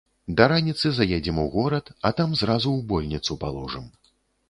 Да раніцы заедзем у горад, а там зразу ў больніцу паложым.